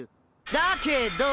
だけど！